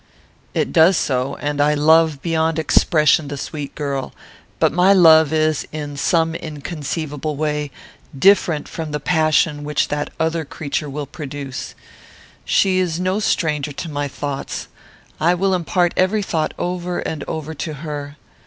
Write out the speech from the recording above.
"It does so, and I love, beyond expression, the sweet girl; but my love is, in some inconceivable way, different from the passion which that other creature will produce. She is no stranger to my thoughts. I will impart every thought over and over to her.